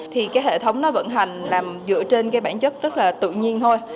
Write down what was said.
thì cái hệ thống nó vận hành làm dựa trên cái bản chất rất là tự nhiên thôi